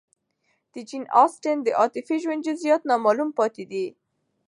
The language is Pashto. د جین اسټن د عاطفي ژوند جزئیات نامعلوم پاتې دي.